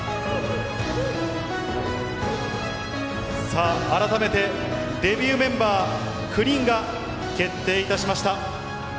さあ、改めてデビューメンバー９人が決定いたしました。